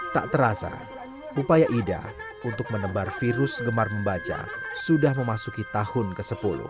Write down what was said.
tak terasa upaya ida untuk menebar virus gemar membaca sudah memasuki tahun ke sepuluh